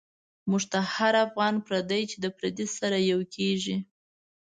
موږ ته هر افغان پردی، چی پردی سره یو کیږی